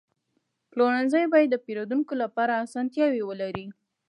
پلورنځی باید د پیرودونکو لپاره اسانتیاوې ولري.